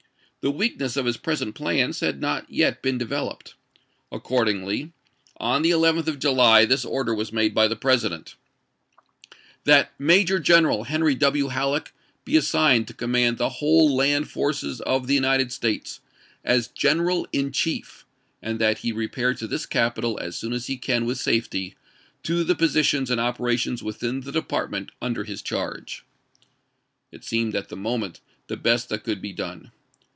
The weakness of his present plans had not yet been developed. Accordingly on the 11th of July this order was made by the President: "That Major General Henry W. Halleck be as signed to command the whole land forces of the jj^^cohi. United States as general in chief, and that he re j^y^n'^ pair to this capital as soon as he can with safety to vol xvii.'. Part II the positions and operations within the department p. 90. ' under his charge." It seemed at the moment the best that could be done.